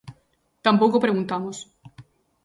Tampouco preguntamos.